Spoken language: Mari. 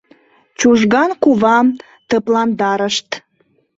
Чужган кувам тыпландарышт.